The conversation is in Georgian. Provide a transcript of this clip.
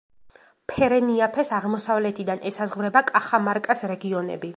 ფერენიაფეს აღმოსავლეთიდან ესაზღვრება კახამარკას რეგიონები.